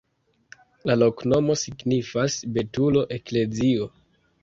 La loknomo signifas: betulo-eklezio.